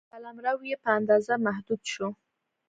قلمرو یې په اندازه محدود شو.